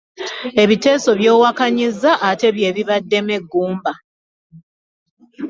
Ebiteeso by'owakanyizza ate bye bibaddemu eggumba.